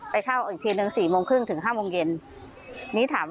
ไปเข้าอีกทีนึง๔๓๐ถึง๕๐๐น